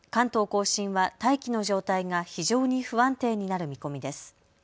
甲信は大気の状態が非常に不安定になる見込みです。